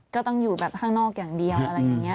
ก็ต้องอยู่แบบข้างนอกอย่างเดียวอะไรอย่างนี้